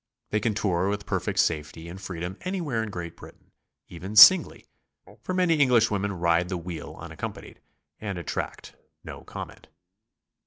They can tour with perfect safety and free dom anywhere in Great Britain, even singly, for many Eng lish women ride the wheel unaccompanied, and attract no comment.